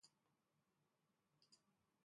Somerset huyó a Francia para evitar el juicio.